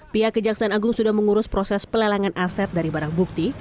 pihak kejaksaan agung sudah mengurus proses pelelangan aset dari barang bukti